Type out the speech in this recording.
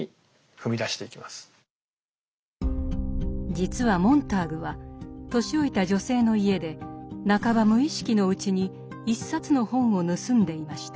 実はモンターグは年老いた女性の家で半ば無意識のうちに一冊の本を盗んでいました。